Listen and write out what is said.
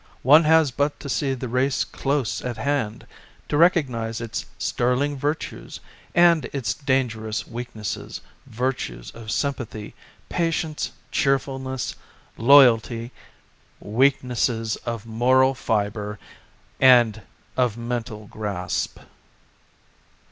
One has but to see the race close at hand to recognize its sterling virtues and its dangerous weaknesses, virtues of sympathy, patience, cheerfulness, loyalty â€" weaknesses of moral fibre and of mental grasp.